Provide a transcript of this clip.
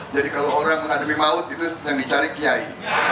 jadi kalau orang menghadapi maut itu yang dicari kiai